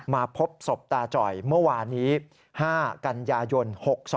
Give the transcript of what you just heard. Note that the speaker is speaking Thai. มาพบศพตาจ่อยเมื่อวานนี้๕กันยายน๖๒